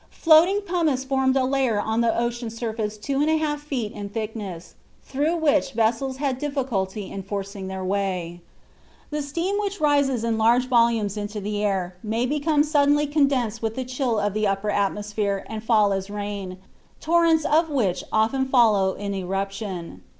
Floating pumice formed a layer on the ocean surface two and a half feet in thickness, through which vessels had difficulty in forcing their way. The steam which rises in large volumes into the air may become suddenly condensed with the chill of the upper atmosphere and fall as rain, torrents of which often follow an eruption.